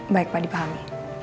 baik pak dipahami